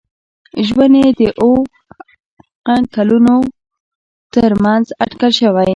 ژوند یې د او ه ق کلونو تر منځ اټکل شوی.